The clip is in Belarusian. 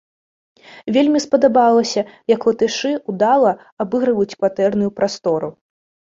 Вельмі спадабалася, як латышы ўдала абыгрываюць кватэрную прастору.